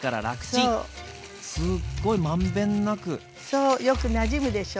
そうよくなじむでしょ。